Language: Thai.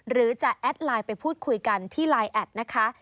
หรือจะแอดไลน์ไปพูดคุยกันที่ไลน์แอดนะคะ